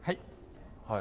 はい。